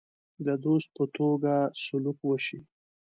د دوست په توګه سلوک وشي.